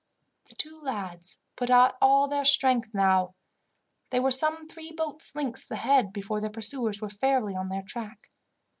The two lads put out all their strength now. They were some three boats' lengths ahead before their pursuers were fairly on their track.